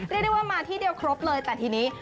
เรียกได้ว่ามาที่เดียวครบเลยแต่ทีนี้